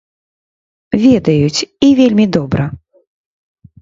Ведаюць, і вельмі добра.